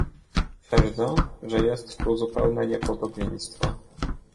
"Twierdzę, że jest tu zupełne niepodobieństwo."